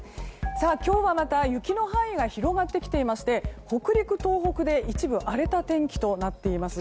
今日はまた雪の範囲が広がってきていまして北陸、東北で一部荒れた天気となっています。